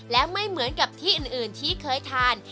และไม่เหมือนกับที่อื่นที่เคยทาน